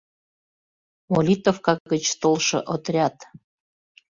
Молитовка гыч толшо отряд...